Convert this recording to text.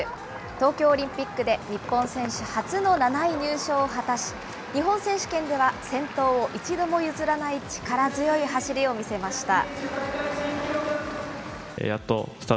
東京オリンピックで日本選手初の７位入賞を果たし、日本選手権では、先頭を一度も譲らない力強い走りを見せました。